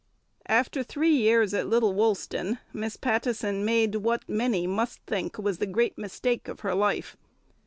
After three years at Little Woolston, Miss Pattison made what many must think was the great mistake of her life.